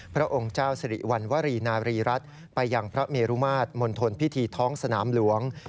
พระองค์เจ้าสิริวัณวรีนารีรัฐไปยังพระเมรุมาตรมณฑลพิธีท้องสนามหลวง